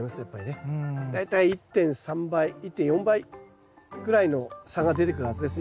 大体１．３倍１．４倍くらいの差が出てくるはずです